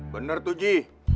bener tuh ji